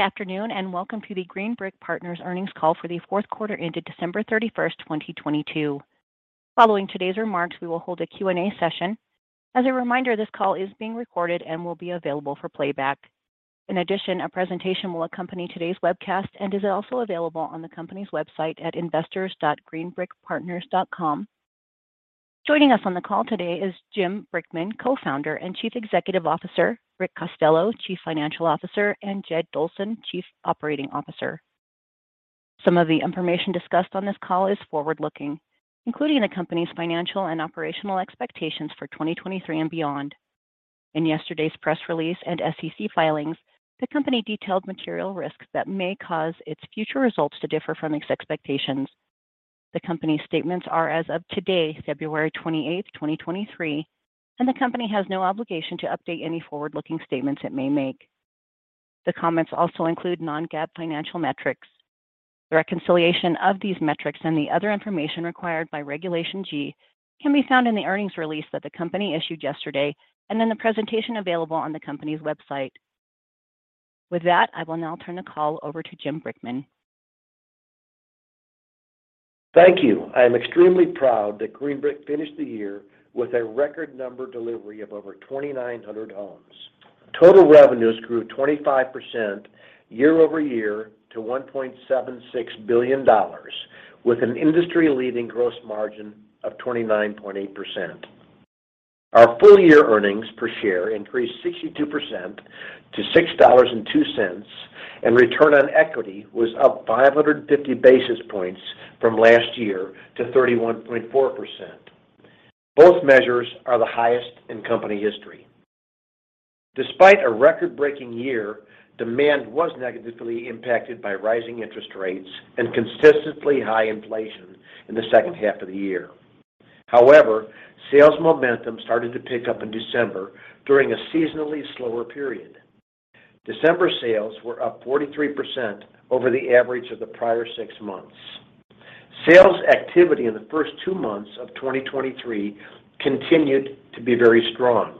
Afternoon, welcome to the Green Brick Partners earnings call for the fourth quarter into December 31, 2022. Following today's remarks, we will hold a Q&A session. As a reminder, this call is being recorded and will be available for playback. In addition, a presentation will accompany today's webcast and is also available on the company's website at investors.greenbrickpartners.com. Joining us on the call today is Jim Brickman, Co-founder and Chief Executive Officer, Rick Costello, Chief Financial Officer, and Jed Dolson, Chief Operating Officer. Some of the information discussed on this call is forward-looking, including the company's financial and operational expectations for 2023 and beyond. In yesterday's press release and SEC filings, the company detailed material risks that may cause its future results to differ from its expectations. The company's statements are as of today, February 28th, 2023. The company has no obligation to update any forward-looking statements it may make. The comments also include non-GAAP financial metrics. The reconciliation of these metrics and the other information required by Regulation G can be found in the earnings release that the company issued yesterday and in the presentation available on the company's website. With that, I will now turn the call over to Jim Brickman. Thank you. I am extremely proud that Green Brick finished the year with a record number delivery of over 2,900 homes. Total revenues grew 25% year-over-year to $1.76 billion, with an industry-leading gross margin of 29.8%. Our full year earnings per share increased 62% to $6.02, and return on equity was up 550 basis points from last year to 31.4%. Both measures are the highest in company history. Despite a record-breaking year, demand was negatively impacted by rising interest rates and consistently high inflation in the second half of the year. Sales momentum started to pick up in December during a seasonally slower period. December sales were up 43% over the average of the prior 6 months. Sales activity in the first 2 months of 2023 continued to be very strong.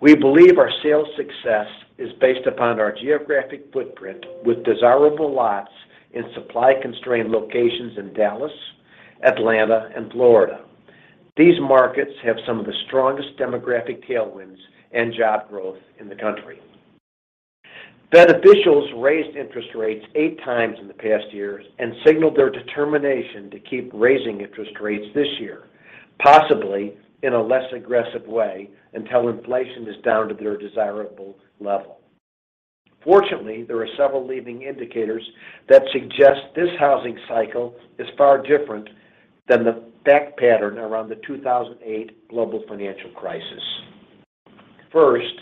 We believe our sales success is based upon our geographic footprint with desirable lots in supply-constrained locations in Dallas, Atlanta, and Florida. These markets have some of the strongest demographic tailwinds and job growth in the country. Fed officials raised interest rates 8 times in the past year and signaled their determination to keep raising interest rates this year, possibly in a less aggressive way until inflation is down to their desirable level. Fortunately, there are several leading indicators that suggest this housing cycle is far different than the back pattern around the 2008 global financial crisis. First,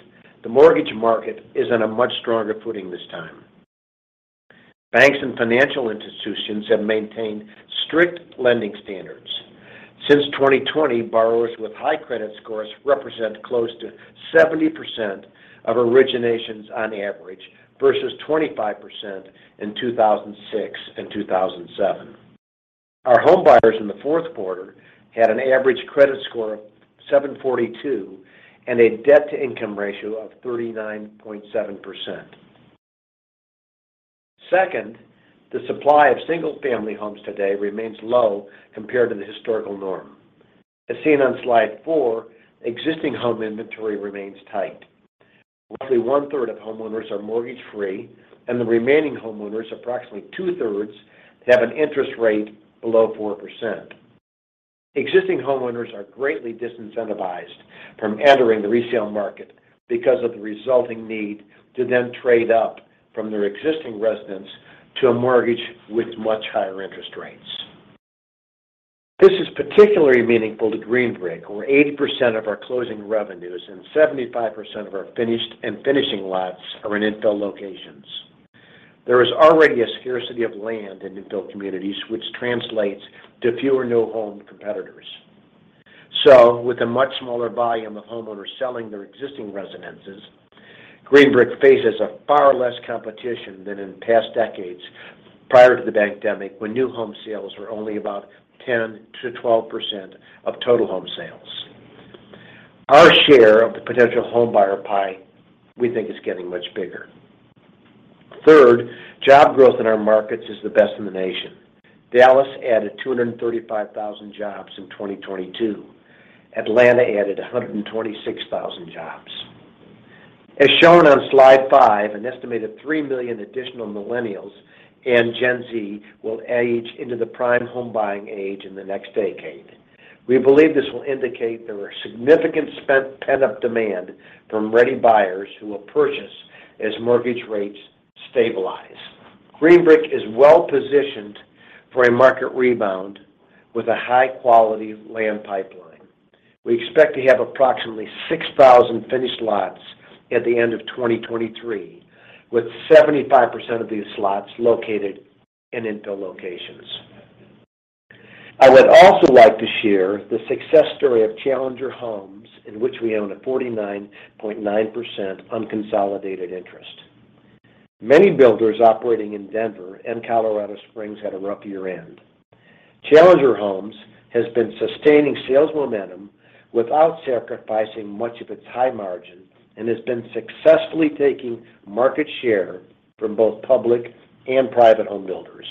the mortgage market is in a much stronger footing this time. Banks and financial institutions have maintained strict lending standards. Since 2020, borrowers with high credit scores represent close to 70% of originations on average versus 25% in 2006 and 2007. Our home buyers in the 4th quarter had an average credit score of 742 and a debt-to-income ratio of 39.7%. Second, the supply of single-family homes today remains low compared to the historical norm. As seen on slide four, existing home inventory remains tight. Roughly one-third of homeowners are mortgage-free, and the remaining homeowners, approximately two-thirds, have an interest rate below 4%. Existing homeowners are greatly disincentivized from entering the resale market because of the resulting need to then trade up from their existing residence to a mortgage with much higher interest rates. This is particularly meaningful to Green Brick, where 80% of our closing revenues and 75% of our finished and finishing lots are in infill locations. There is already a scarcity of land in new build communities, which translates to fewer new home competitors. With a much smaller volume of homeowners selling their existing residences, Green Brick faces a far less competition than in past decades prior to the pandemic, when new home sales were only about 10%-12% of total home sales. Our share of the potential homebuyer pie, we think, is getting much bigger. Third, job growth in our markets is the best in the nation. Dallas added 235,000 jobs in 2022. Atlanta added 126,000 jobs. As shown on slide four, an estimated 3 million additional Millennials and Gen Z will age into the prime home buying age in the next decade. We believe this will indicate there are significant pent-up demand from ready buyers who will purchase as mortgage rates stabilize. Green Brick is well-positioned for a market rebound with a high quality land pipeline. We expect to have approximately 6,000 finished lots at the end of 2023, with 75% of these lots located in infill locations. I would also like to share the success story of Challenger Homes, in which we own a 49.9% unconsolidated interest. Many builders operating in Denver and Colorado Springs had a rough year end. Challenger Homes has been sustaining sales momentum without sacrificing much of its high margin and has been successfully taking market share from both public and private home builders.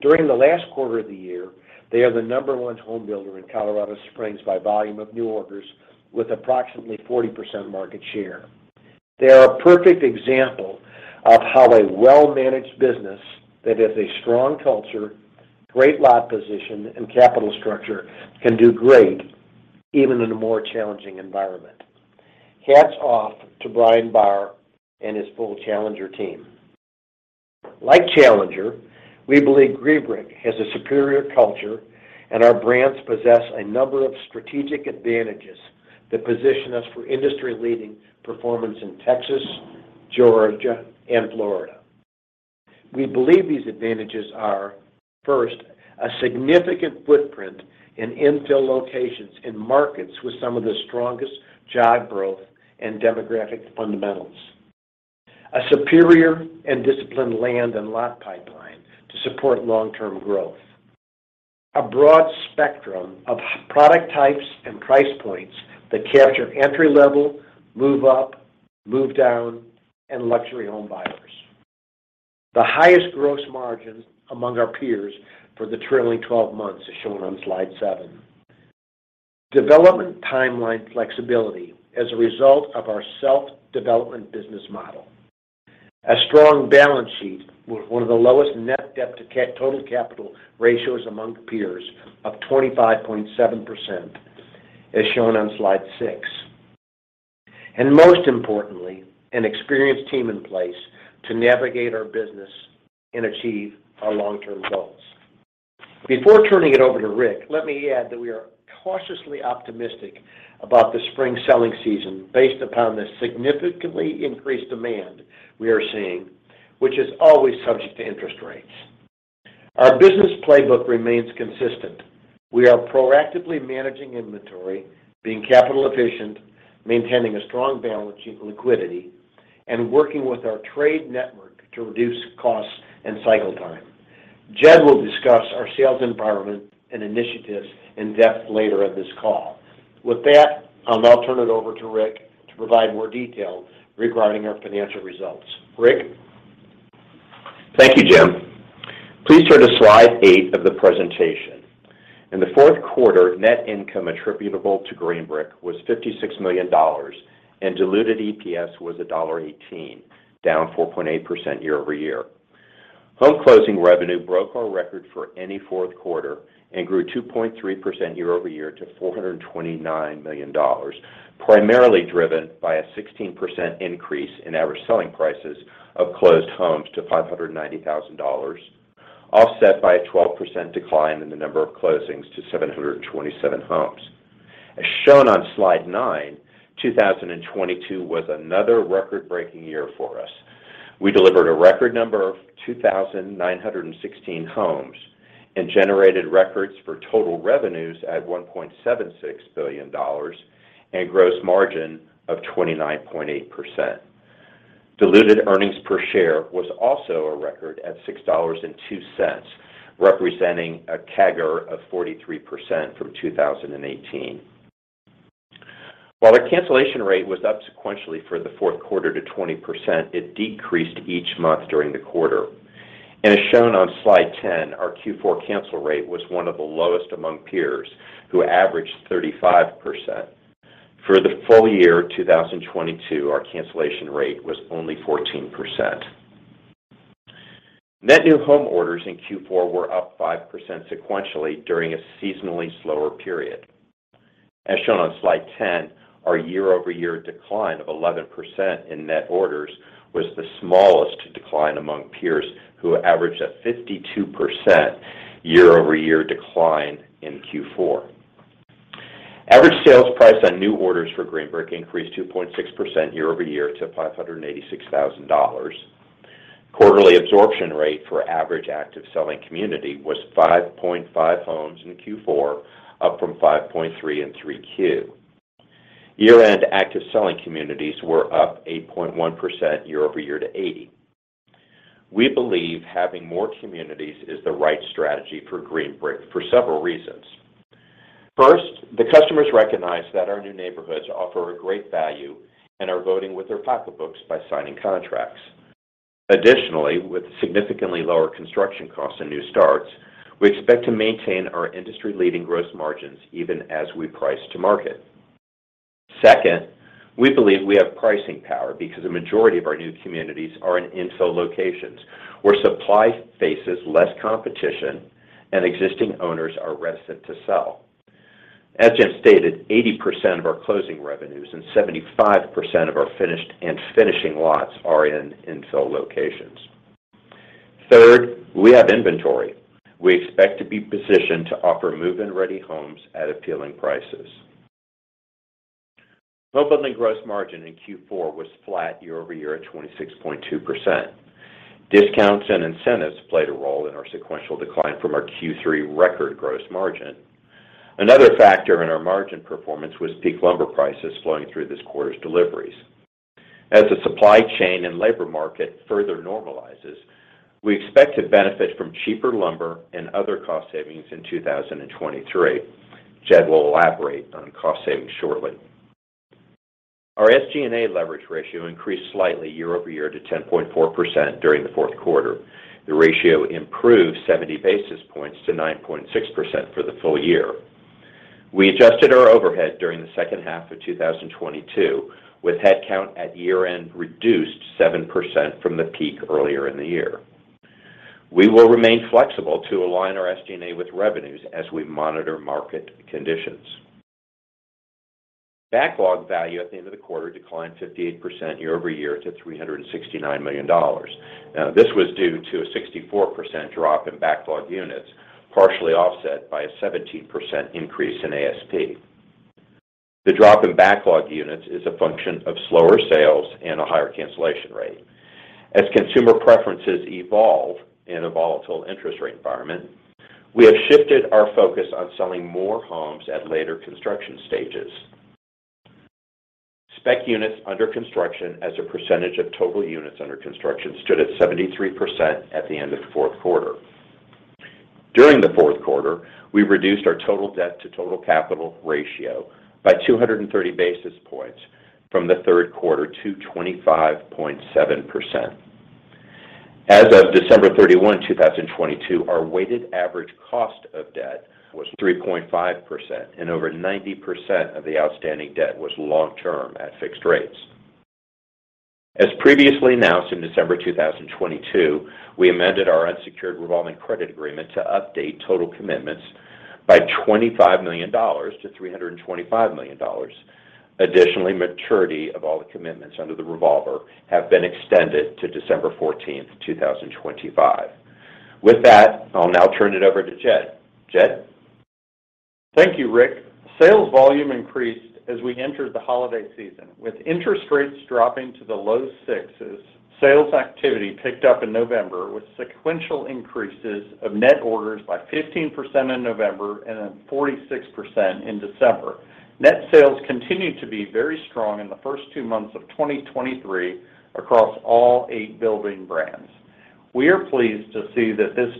During the last quarter of the year, they are the number one home builder in Colorado Springs by volume of new orders with approximately 40% market share. They are a perfect example of how a well-managed business that has a strong culture, great lot position and capital structure can do great even in a more challenging environment. Hats off to Brian Bahr and his full Challenger team. Like Challenger, we believe Green Brick has a superior culture and our brands possess a number of strategic advantages that position us for industry-leading performance in Texas, Georgia and Florida. We believe these advantages are, first, a significant footprint in infill locations in markets with some of the strongest job growth and demographic fundamentals. A superior and disciplined land and lot pipeline to support long-term growth. A broad spectrum of product types and price points that capture entry-level, move up, move down, and luxury home buyers. The highest gross margin among our peers for the trailing 12 months, as shown on slide seven. Development timeline flexibility as a result of our self-development business model. A strong balance sheet with one of the lowest net debt to total capital ratios among peers of 25.7%, as shown on slide 6. Most importantly, an experienced team in place to navigate our business and achieve our long-term goals. Before turning it over to Rick, let me add that we are cautiously optimistic about the spring selling season based upon the significantly increased demand we are seeing, which is always subject to interest rates. Our business playbook remains consistent. We are proactively managing inventory, being capital efficient, maintaining a strong balance sheet liquidity, and working with our trade network to reduce costs and cycle time. Jed will discuss our sales environment and initiatives in depth later in this call. With that, I'll now turn it over to Rick to provide more detail regarding our financial results. Rick? Thank you, Jim. Please turn to slide eight of the presentation. In the fourth quarter, net income attributable to Green Brick was $56 million and diluted EPS was $1.18, down 4.8% year-over-year. Home closing revenue broke our record for any fourth quarter and grew 2.3% year-over-year to $429 million, primarily driven by a 16% increase in average selling prices of closed homes to $590,000, offset by a 12% decline in the number of closings to 727 homes. As shown on slide nine, 2022 was another record-breaking year for us. We delivered a record number of 2,916 homes and generated records for total revenues at $1.76 billion and gross margin of 29.8%. Diluted earnings per share was also a record at $6.02, representing a CAGR of 43% from 2018. While our cancellation rate was up sequentially for the fourth quarter to 20%, it decreased each month during the quarter. As shown on Slide 10, our Q4 cancel rate was one of the lowest among peers, who averaged 35%. For the full year 2022, our cancellation rate was only 14%. Net new home orders in Q4 were up 5% sequentially during a seasonally slower period. As shown on Slide 10, our year-over-year decline of 11% in net orders was the smallest decline among peers who averaged a 52% year-over-year decline in Q4. Average sales price on new orders for Green Brick increased 2.6% year-over-year to $586,000. Quarterly absorption rate for average active selling community was 5.5 homes in Q4, up from 5.3 in 3Q. Year-end active selling communities were up 8.1% year-over-year to 80. We believe having more communities is the right strategy for Green Brick for several reasons. First, the customers recognize that our new neighborhoods offer a great value and are voting with their pocketbooks by signing contracts. Additionally, with significantly lower construction costs and new starts, we expect to maintain our industry-leading gross margins even as we price to market. Second, we believe we have pricing power because the majority of our new communities are in infill locations where supply faces less competition and existing owners are reticent to sell. As Jim stated, 80% of our closing revenues and 75% of our finished and finishing lots are in infill locations. Third, we have inventory. We expect to be positioned to offer move-in-ready homes at appealing prices. Homebuilding gross margin in Q4 was flat year-over-year at 26.2%. Discounts and incentives played a role in our sequential decline from our Q3 record gross margin. Another factor in our margin performance was peak lumber prices flowing through this quarter's deliveries. As the supply chain and labor market further normalizes, we expect to benefit from cheaper lumber and other cost savings in 2023. Jed will elaborate on cost savings shortly. Our SG&A leverage ratio increased slightly year-over-year to 10.4% during the fourth quarter. The ratio improved 70 basis points to 9.6% for the full year. We adjusted our overhead during the second half of 2022, with headcount at year-end reduced 7% from the peak earlier in the year. We will remain flexible to align our SG&A with revenues as we monitor market conditions. Backlog value at the end of the quarter declined 58% year-over-year to $369 million. This was due to a 64% drop in backlog units, partially offset by a 17% increase in ASP. The drop in backlog units is a function of slower sales and a higher cancellation rate. As consumer preferences evolve in a volatile interest rate environment, we have shifted our focus on selling more homes at later construction stages. Spec units under construction as a percentage of total units under construction stood at 73% at the end of the fourth quarter. During the fourth quarter, we reduced our total debt to total capital ratio by 230 basis points from the third quarter to 25.7%. As of December 31st, 2022, our weighted average cost of debt was 3.5%, and over 90% of the outstanding debt was long term at fixed rates. As previously announced in December 2022, we amended our unsecured revolving credit agreement to update total commitments by $25 million-$325 million. Maturity of all the commitments under the revolver have been extended to December 14th, 2025. With that, I'll now turn it over to Jed. Jed? Thank you, Rick. Sales volume increased as we entered the holiday season. With interest rates dropping to the low 6s, sales activity picked up in November, with sequential increases of net orders by 15% in November and then 46% in December. Net sales continued to be very strong in the first two months of 2023 across all eight building brands. We are pleased to see that this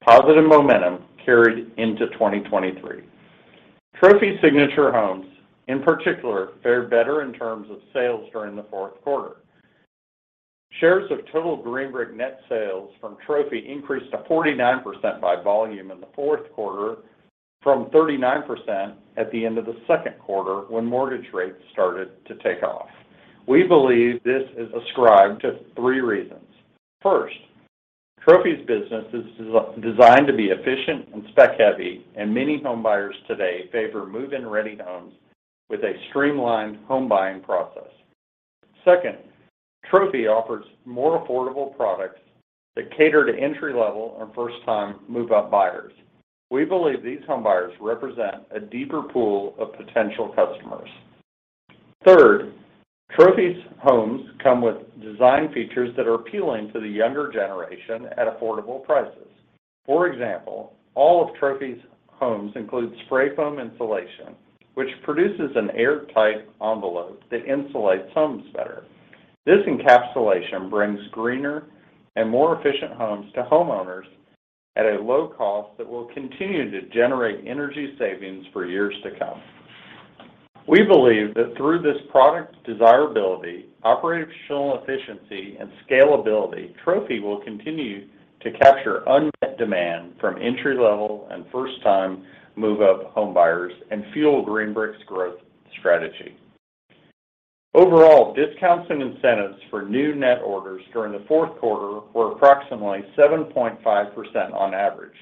positive momentum carried into 2023. Trophy Signature Homes in particular fared better in terms of sales during the fourth quarter. Shares of total Green Brick net sales from Trophy increased to 49% by volume in the fourth quarter from 39% at the end of the second quarter when mortgage rates started to take off. We believe this is ascribed to three reasons. First, Trophy's business is de-designed to be efficient and spec-heavy. Many home buyers today favor move-in-ready homes with a streamlined home buying process. Second, Trophy offers more affordable products that cater to entry-level and first-time move-up buyers. We believe these home buyers represent a deeper pool of potential customers. Third, Trophy's homes come with design features that are appealing to the younger generation at affordable prices. For example, all of Trophy's homes include spray foam insulation, which produces an airtight envelope that insulates homes better. This encapsulation brings greener and more efficient homes to homeowners at a low cost that will continue to generate energy savings for years to come. We believe that through this product desirability, operational efficiency, and scalability, Trophy will continue to capture unmet demand from entry-level and first-time move-up home buyers and fuel Green Brick's growth strategy. Overall, discounts and incentives for new net orders during the fourth quarter were approximately 7.5% on average,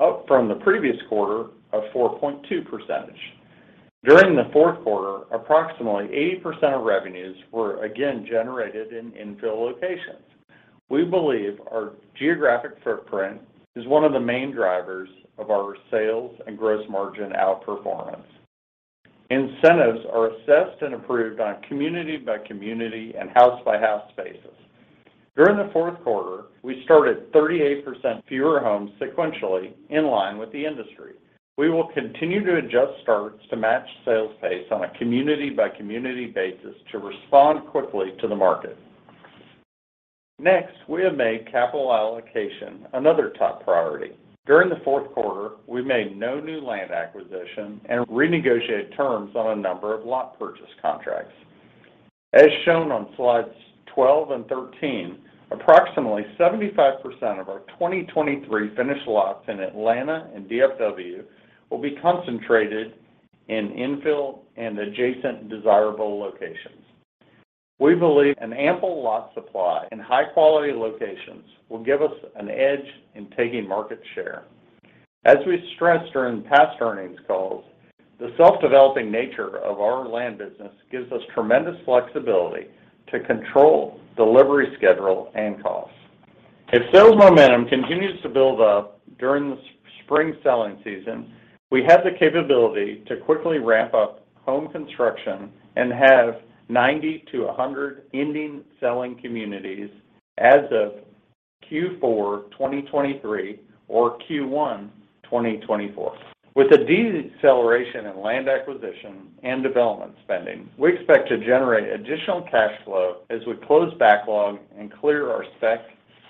up from the previous quarter of 4.2%. During the fourth quarter, approximately 80% of revenues were again generated in infill locations. We believe our geographic footprint is one of the main drivers of our sales and gross margin outperformance. Incentives are assessed and approved on community-by-community and house-by-house basis. During the fourth quarter, we started 38% fewer homes sequentially in line with the industry. We will continue to adjust starts to match sales pace on a community-by-community basis to respond quickly to the market. We have made capital allocation another top priority. During the fourth quarter, we made no new land acquisition and renegotiated terms on a number of lot purchase contracts. As shown on Slides 12 and Slides 13, approximately 75% of our 2023 finished lots in Atlanta and DFW will be concentrated in infill and adjacent desirable locations. We believe an ample lot supply and high-quality locations will give us an edge in taking market share. As we stressed during past earnings calls, the self-developing nature of our land business gives us tremendous flexibility to control delivery schedule and costs. If sales momentum continues to build up during the spring selling season, we have the capability to quickly ramp up home construction and have 90-100 ending selling communities as of Q4 2023 or Q1 2024. With the deceleration in land acquisition and development spending, we expect to generate additional cash flow as we close backlog and clear our spec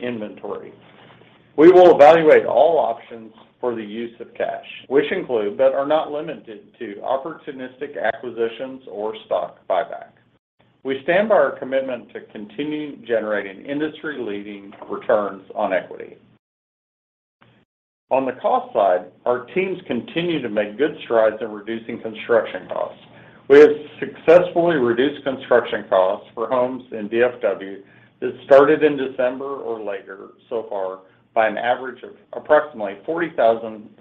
inventory. We will evaluate all options for the use of cash, which include, but are not limited to, opportunistic acquisitions or stock buyback. We stand by our commitment to continue generating industry-leading returns on equity. On the cost side, our teams continue to make good strides in reducing construction costs. We have successfully reduced construction costs for homes in DFW that started in December or later so far by an average of approximately $40,000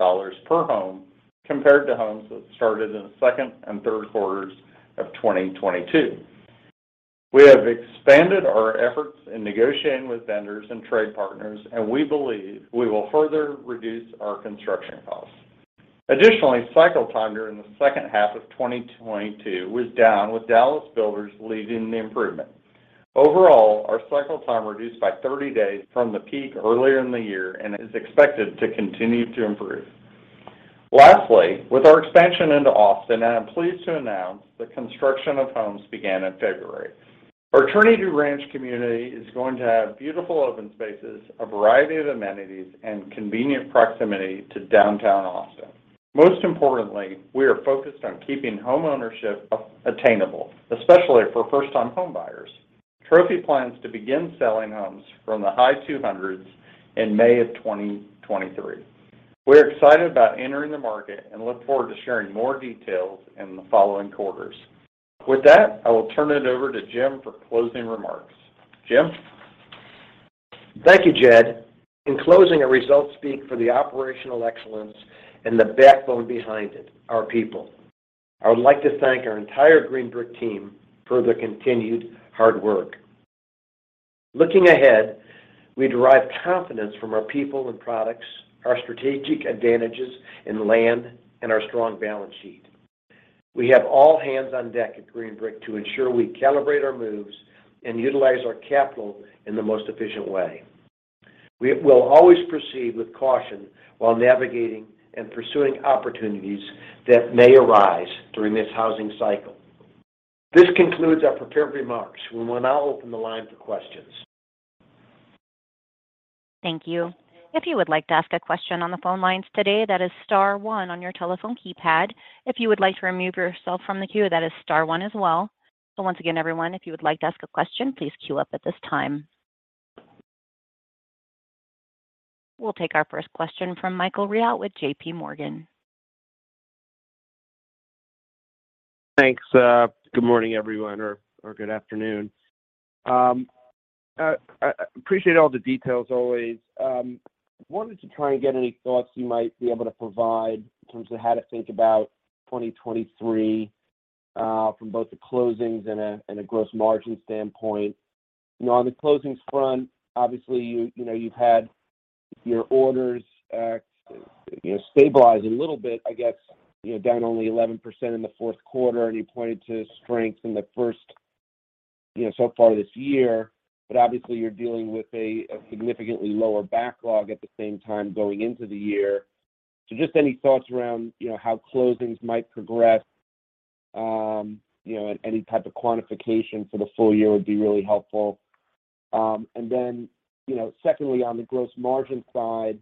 per home compared to homes that started in the second and third quarters of 2022. We have expanded our efforts in negotiating with vendors and trade partners, and we believe we will further reduce our construction costs. Additionally, cycle time during the second half of 2022 was down with Dallas Builders leading the improvement. Overall, our cycle time reduced by 30 days from the peak earlier in the year and is expected to continue to improve. Lastly, with our expansion into Austin, I am pleased to announce the construction of homes began in February. Our Trinity Ranch community is going to have beautiful open spaces, a variety of amenities, and convenient proximity to downtown Austin. Most importantly, we are focused on keeping homeownership attainable, especially for first-time home buyers. Trophy plans to begin selling homes from the high $200s in May of 2023. We're excited about entering the market and look forward to sharing more details in the following quarters. With that, I will turn it over to Jim for closing remarks. Jim? Thank you, Jed. In closing, our results speak for the operational excellence and the backbone behind it, our people. I would like to thank our entire Green Brick team for their continued hard work. Looking ahead, we derive confidence from our people and products, our strategic advantages in land, and our strong balance sheet. We have all hands on deck at Green Brick to ensure we calibrate our moves and utilize our capital in the most efficient way. We will always proceed with caution while navigating and pursuing opportunities that may arise during this housing cycle. This concludes our prepared remarks. We will now open the line for questions. Thank you. If you would like to ask a question on the phone lines today, that is star one on your telephone keypad. If you would like to remove yourself from the queue, that is star one as well. Once again, everyone, if you would like to ask a question, please queue up at this time. We'll take our first question from Michael Rehaut with JPMorgan. Thanks. Good morning, everyone, or good afternoon. I appreciate all the details always. Wanted to try and get any thoughts you might be able to provide in terms of how to think about 2023, from both the closings and a gross margin standpoint. You know, on the closings front, obviously, you know, you've had your orders, you know, stabilize a little bit, I guess, you know, down only 11% in the 4th quarter, and you pointed to strength in the 1st, you know, so far this year. Obviously, you're dealing with a significantly lower backlog at the same time going into the year. Just any thoughts around, you know, how closings might progress, you know, any type of quantification for the full year would be really helpful. You know, secondly, on the gross margin side,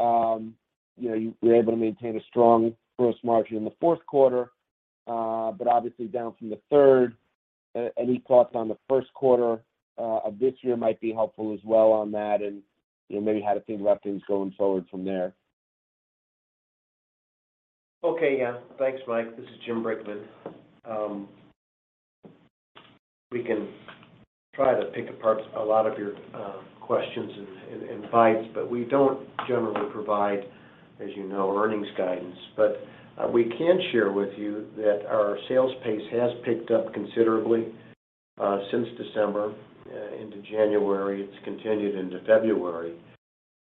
you know, you were able to maintain a strong gross margin in the fourth quarter, but obviously down from the third. Any thoughts on the first quarter of this year might be helpful as well on that and, you know, maybe how to think about things going forward from there. Yeah. Thanks, Mike. This is Jim Brickman. We can try to pick apart a lot of your questions and vibes. We don't generally provide, as you know, earnings guidance. We can share with you that our sales pace has picked up considerably since December into January. It's continued into February.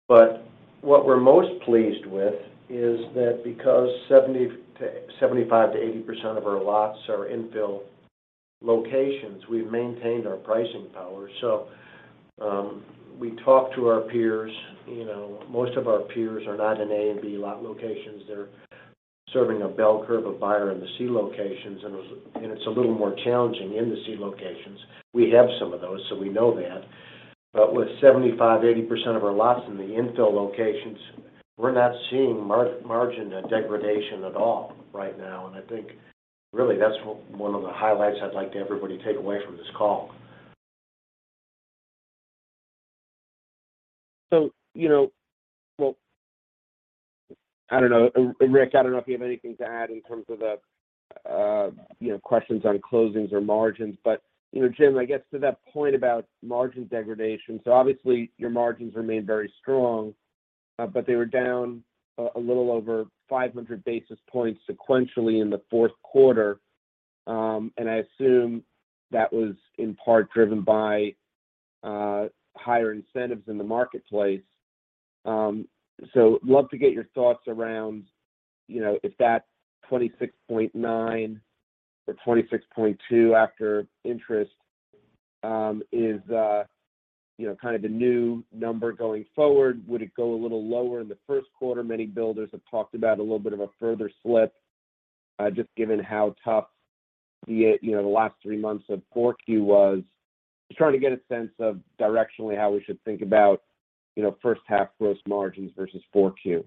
What we're most pleased with is that because 75%-80% of our lots are infill locations, we've maintained our pricing power. We talk to our peers, you know, most of our peers are not in A and B lot locations. They're serving a bell curve of buyer in the C locations, and it's a little more challenging in the C locations. We have some of those, so we know that. With 75%, 80% of our lots in the infill locations, we're not seeing margin degradation at all right now. I think really that's one of the highlights I'd like to everybody take away from this call. You know-- Well, I don't know. Rick, I don't know if you have anything to add in terms of the, you know, questions on closings or margins. You know, Jim, I guess to that point about margin degradation. Obviously, your margins remain very strong, but they were down a little over 500 basis points sequentially in the fourth quarter. I assume that was in part driven by higher incentives in the marketplace. Love to get your thoughts around, you know, if that 26.9 or 26.2 after interest is, you know, kind of the new number going forward. Would it go a little lower in the first quarter? Many builders have talked about a little bit of a further slip, just given how tough the, you know, the last 3 months of 4Q was. Just trying to get a sense of directionally how we should think about, you know, first half gross margins versus Q4.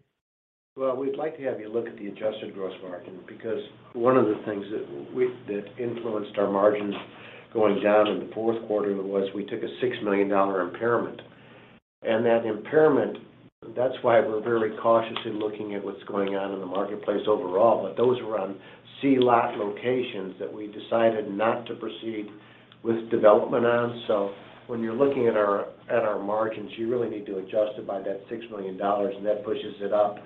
We'd like to have you look at the adjusted gross margin because one of the things that influenced our margins going down in the fourth quarter was we took a $6 million impairment. That impairment, that's why we're very cautious in looking at what's going on in the marketplace overall. Those were on C lot locations that we decided not to proceed with development on. When you're looking at our, at our margins, you really need to adjust it by that $6 million, and that pushes it up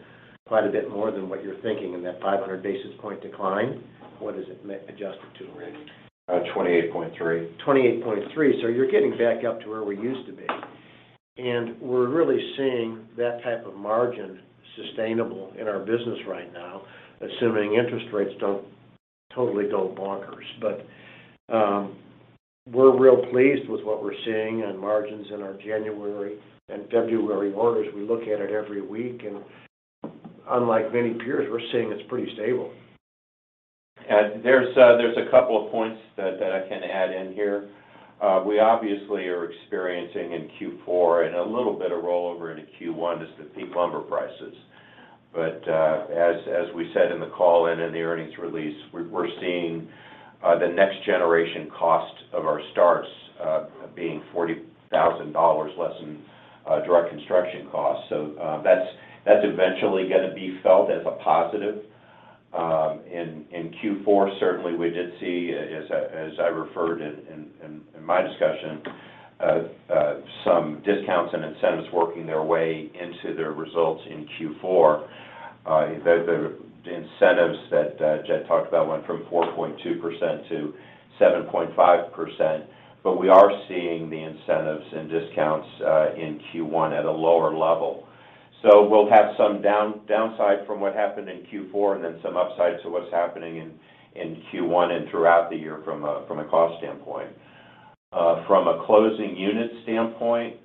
quite a bit more than what you're thinking. That 500 basis point decline, what is it adjusted to, Rick? 28.3. 28.3%. You're getting back up to where we used to be. We're really seeing that type of margin sustainable in our business right now, assuming interest rates don't totally go bonkers. We're real pleased with what we're seeing on margins in our January and February orders. We look at it every week. Unlike many peers, we're seeing it's pretty stable. There's a couple of points that I can add in here. We obviously are experiencing in Q4 and a little bit of rollover into Q1 is the peak lumber prices. As we said in the call and in the earnings release, we're seeing the next generation cost of our starts being $40,000 less in direct construction costs. That's eventually gonna be felt as a positive. In Q4, certainly we did see, as I referred in my discussion, some discounts and incentives working their way into their results in Q4. The incentives that Jed talked about went from 4.2%-7.5%, but we are seeing the incentives and discounts in Q1 at a lower level. We'll have some downside from what happened in Q4 and then some upside to what's happening in Q1 and throughout the year from a cost standpoint. From a closing unit standpoint,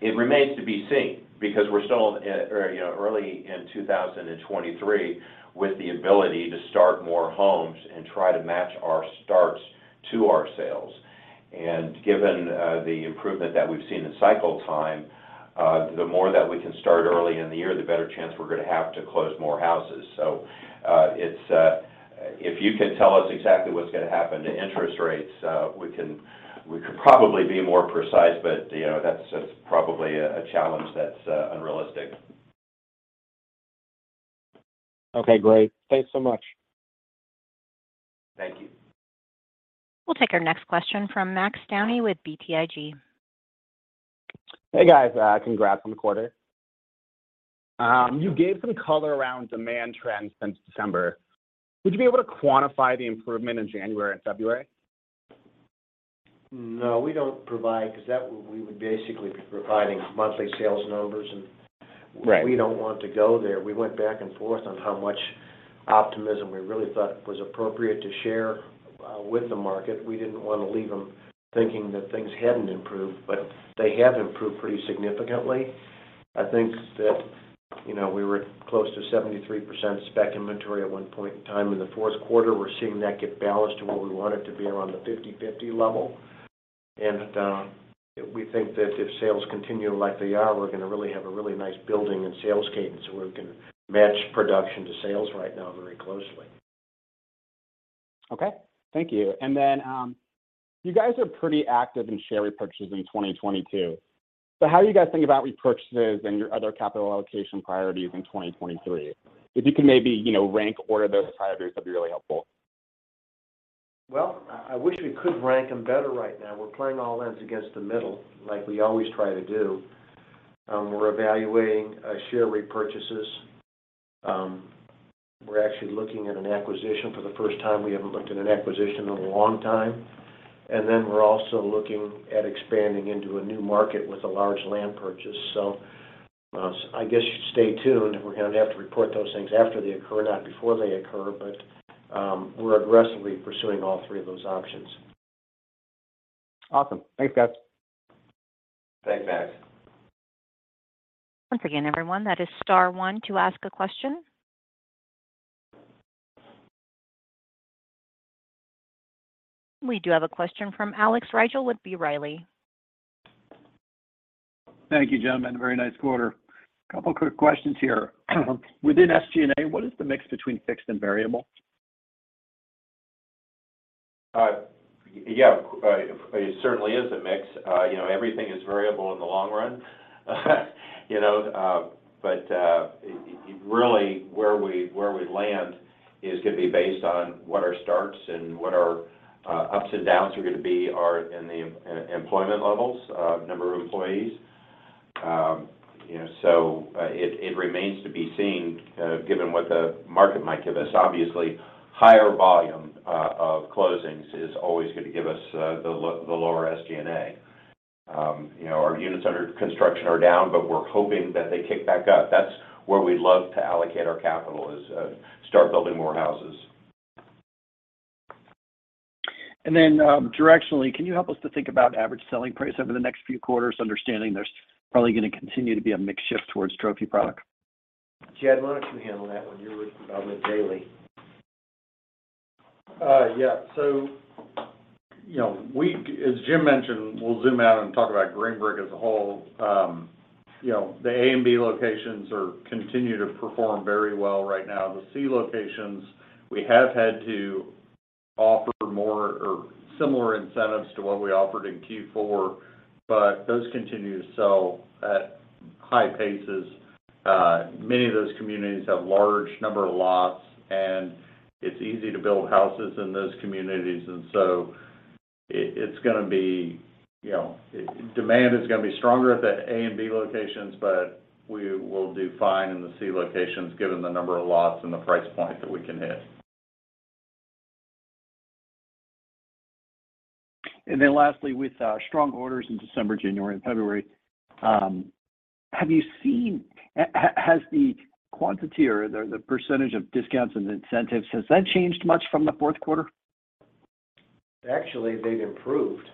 it remains to be seen because we're still, you know, early in 2023 with the ability to start more homes and try to match our starts to our sales. Given the improvement that we've seen in cycle time, the more that we can start early in the year, the better chance we're gonna have to close more houses. It's, if you can tell us exactly what's gonna happen to interest rates, we can probably be more precise, but, you know, that's probably a challenge that's unrealistic. Okay, great. Thanks so much. Thank you. We'll take our next question from Carl Reichardt with BTIG. Hey, guys. Congrats on the quarter. You gave some color around demand trends since December. Would you be able to quantify the improvement in January and February? No. We don't provide because that we would basically be providing monthly sales numbers, and- Right. we don't want to go there. We went back and forth on how much optimism we really thought was appropriate to share with the market. We didn't wanna leave them thinking that things hadn't improved, but they have improved pretty significantly. I think that, you know, we were close to 73% spec inventory at one point in time in the fourth quarter. We're seeing that get balanced to where we want it to be around the 50/50 level. We think that if sales continue like they are, we're gonna really have a really nice building and sales cadence where we can match production to sales right now very closely. Okay. Thank you. You guys are pretty active in share repurchases in 2022. How do you guys think about repurchases and your other capital allocation priorities in 2023? If you can maybe, you know, rank order those priorities, that'd be really helpful. Well, I wish we could rank them better right now. We're playing all ends against the middle, like we always try to do. We're evaluating share repurchases. We're actually looking at an acquisition for the first time. We haven't looked at an acquisition in a long time. We're also looking at expanding into a new market with a large land purchase. I guess you should stay tuned. We're gonna have to report those things after they occur, not before they occur. We're aggressively pursuing all three of those options. Awesome. Thanks, guys. Thanks, Carl. Once again, everyone, that is star one to ask a question. We do have a question from Alex Rygiel with B. Riley. Thank you, gentlemen. Very nice quarter. Couple quick questions here. Within SG&A, what is the mix between fixed and variable? Yeah. It certainly is a mix. You know, everything is variable in the long run. You know, really, where we land is gonna be based on what our starts and what our ups and downs are gonna be are in the employment levels, number of employees. You know, it remains to be seen, given what the market might give us. Obviously, higher volume of closings is always gonna give us the lower SG&A. You know, our units under construction are down, but we're hoping that they kick back up. That's where we'd love to allocate our capital is, start building more houses. Directionally, can you help us to think about average selling price over the next few quarters, understanding there's probably gonna continue to be a mix shift towards Trophy product? Jed, why don't you handle that one? You're with daily. Yeah. You know, as Jim mentioned, we'll zoom out and talk about Green Brick as a whole. You know, the A and B locations are continue to perform very well right now. The C locations, we have had to offer more or similar incentives to what we offered in Q4. But those continue to sell at high paces. Many of those communities have large number of lots. And it's easy to build houses in those communities. It's gonna be, you know, demand is gonna be stronger at that A and B locations. But we will do fine in the C locations given the number of lots and the price point that we can hit. Lastly, with strong orders in December, January and February, has the quantity or the percentage of discounts and incentives, has that changed much from the fourth quarter? Actually, they've improved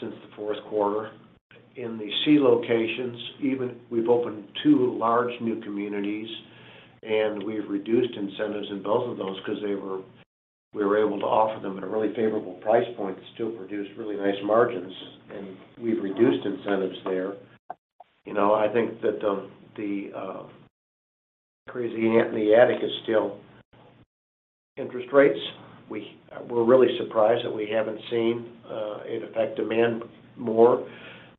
since the fourth quarter. In the C locations, even we've opened 2 large new communities, and we've reduced incentives in both of those 'cause we were able to offer them at a really favorable price point to still produce really nice margins, and we've reduced incentives there. You know, I think that the crazy aunt in the attic is still interest rates. We're really surprised that we haven't seen it affect demand more.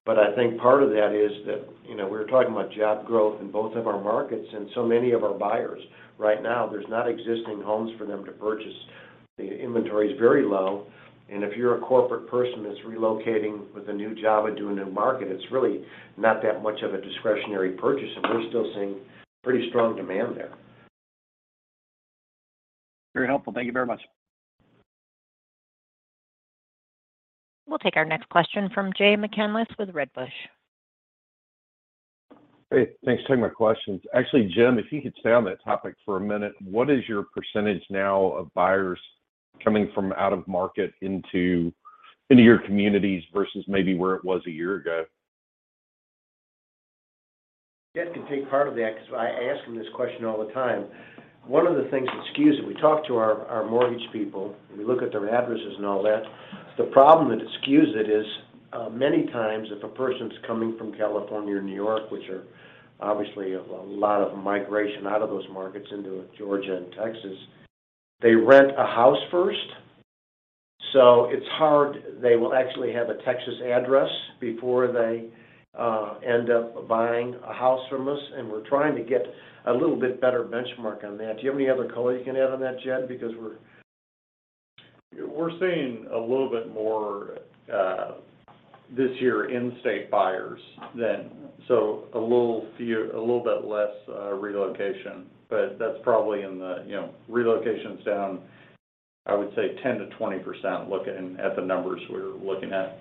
I think part of that is that, you know, we're talking about job growth in both of our markets, and so many of our buyers right now, there's not existing homes for them to purchase. The inventory is very low. If you're a corporate person that's relocating with a new job into a new market, it's really not that much of a discretionary purchase. We're still seeing pretty strong demand there. Very helpful. Thank you very much. We'll take our next question from Jay McCanless with Wedbush Securities. Hey, thanks for taking my questions. Actually, Jim, if you could stay on that topic for a minute, what is your % now of buyers coming from out of market into your communities versus maybe where it was a year ago? Jed can take part of that because I ask him this question all the time. One of the things that skews it, we talk to our mortgage people, and we look at their addresses and all that. The problem that skews it is many times if a person's coming from California or New York, which are obviously a lot of migration out of those markets into Georgia and Texas, they rent a house first. It's hard they will actually have a Texas address before they end up buying a house from us, and we're trying to get a little bit better benchmark on that. Do you have any other color you can add on that, Jed, because we're... We're seeing a little bit more, this year in state buyers than a little bit less, relocation. That's probably in the, you know, relocation's down, I would say 10%-20% looking at the numbers we're looking at.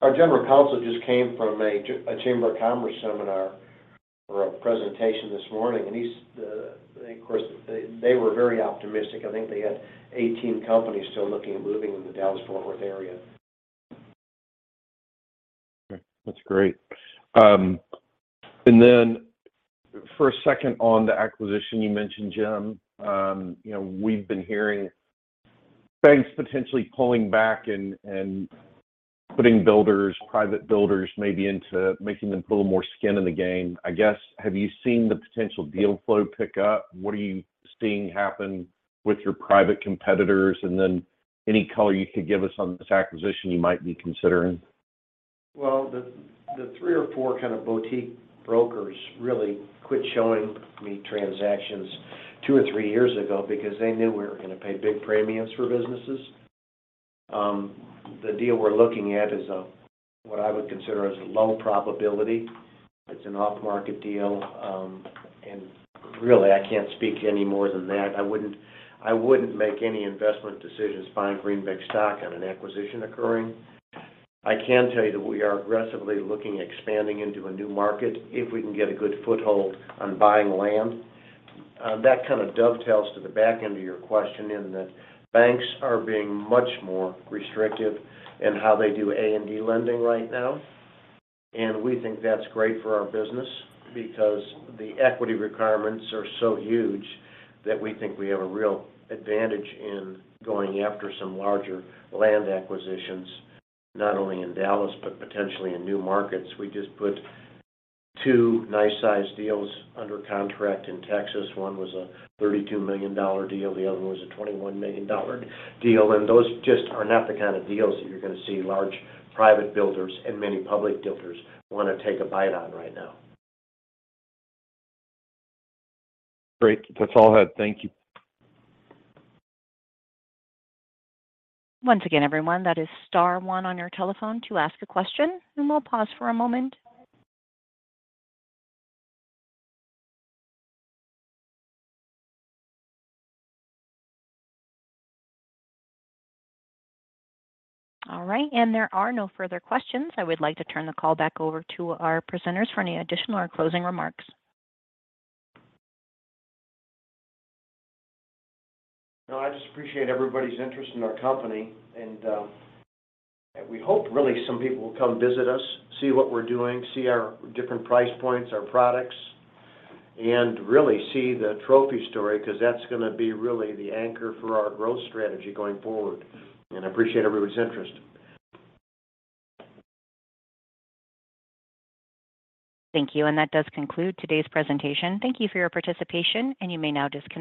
Our general counsel just came from a Chamber of Commerce seminar or a presentation this morning, and he's the. Of course, they were very optimistic. I think they had 18 companies still looking at moving in the Dallas-Fort Worth area. Okay. That's great. For a second on the acquisition you mentioned, Jim, you know, we've been hearing banks potentially pulling back and putting builders, private builders maybe into making them put a little more skin in the game. I guess, have you seen the potential deal flow pick up? What are you seeing happen with your private competitors? Any color you could give us on this acquisition you might be considering? The three or four kind of boutique brokers really quit showing me transactions two or three years ago because they knew we were gonna pay big premiums for businesses. The deal we're looking at is what I would consider as low probability. It's an off-market deal. Really, I can't speak any more than that. I wouldn't make any investment decisions buying Green Brick stock on an acquisition occurring. I can tell you that we are aggressively looking at expanding into a new market if we can get a good foothold on buying land. That kind of dovetails to the back end of your question in that banks are being much more restrictive in how they do A&D lending right now. We think that's great for our business because the equity requirements are so huge that we think we have a real advantage in going after some larger land acquisitions, not only in Dallas, but potentially in new markets. We just put two nice sized deals under contract in Texas. One was a $32 million deal, the other was a $21 million deal. Those just are not the kind of deals that you're gonna see large private builders and many public builders wanna take a bite on right now. Great. That's all I had. Thank you. Once again, everyone, that is star one on your telephone to ask a question. We'll pause for a moment. All right. There are no further questions. I would like to turn the call back over to our presenters for any additional or closing remarks. No, I just appreciate everybody's interest in our company. We hope really some people will come visit us, see what we're doing, see our different price points, our products, and really see the Trophy story, because that's gonna be really the anchor for our growth strategy going forward. I appreciate everybody's interest. Thank you. That does conclude today's presentation. Thank you for your participation, and you may now disconnect.